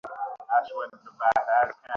সভাপতি বললেন, প্রশ্নোত্তর পর্বের এখানেই সমাপ্তি।